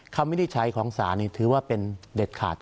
คำไม่ได้ใช้ของสารเนี่ยถือว่าเป็นเด็ดขาด